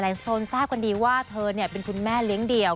คนทราบกันดีว่าเธอเป็นคุณแม่เลี้ยงเดี่ยว